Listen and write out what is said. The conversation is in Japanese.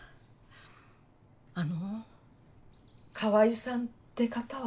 あの川合さんって方は？